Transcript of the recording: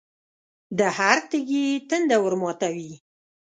د هر تږي تنده ورماتوي.